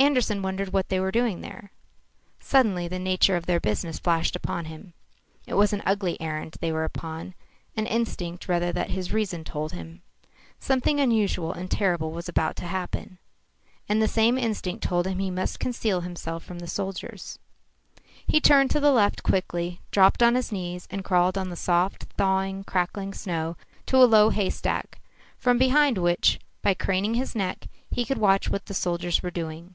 Andersen wondered what they were doing there. Suddenly the nature of their business flashed upon him. It was an ugly errand they were upon, an instinct rather that his reason told him. Something unusual and terrible was to happen. And the same instinct told him he must conceal himself from the soldiers. He turned to the left quickly, dropped on his knees, and crawled on the soft, thawing, crackling snow to a low haystack, from behind which, by craning his neck, he could watch what the soldiers were doing.